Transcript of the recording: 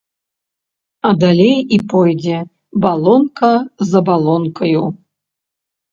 А далей і пойдзе балонка за балонкаю.